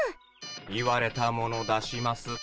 言われたもの出します。